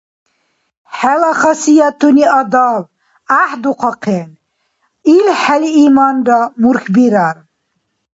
Хӏела хасиятуни—адаб гӏяхӏдухъахъен, илхӏели иманра мурхьбирар.